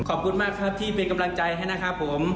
ขอบคุณมากครับที่เป็นกำลังใจให้นะครับผม